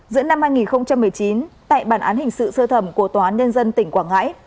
giữa năm hai nghìn một mươi chín tại bản án hình sự sơ thẩm của tòa án nhân dân tỉnh quảng ngãi